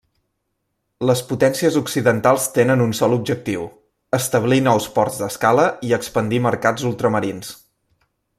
Les potències occidentals tenen un sol objectiu: establir nous ports d'escala i expandir mercats ultramarins.